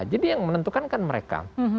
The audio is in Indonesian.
jadi yang menentukan kan mereka